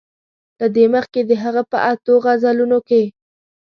له دې مخکې د هغه په اتو غزلونو کې.